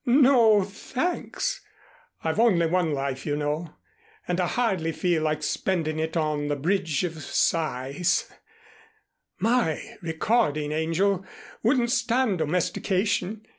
No, thanks. I've only one life, you know, and I hardly feel like spending it on the Bridge of Sighs. My recording angel wouldn't stand domestication.